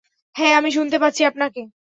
হ্যাঁ, আমি শুনতে পাচ্ছি আপনাকে।